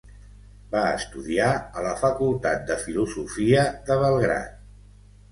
Va estudiar a la Facultat de Filosofia de Belgrad.